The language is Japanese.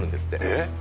えっ？